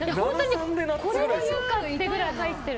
これでもかってぐらい入ってる。